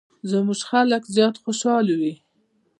زموږ خلک زیات خوشحال وي.